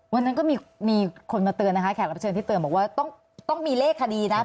วันนั้นก็มีคนมาเตือนนะคะแขกรับเชิญที่เตือนบอกว่าต้องมีเลขคดีนะ